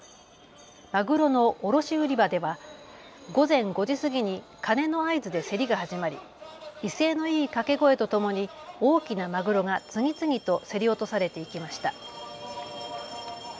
マグロの卸売り場では午前５時過ぎに鐘の合図で競りが始まり威勢のいい掛け声とともに大きなマグロが次々と競り落とされていきました。